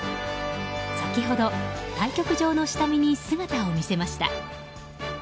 先ほど、対局場の下見に姿を見せました。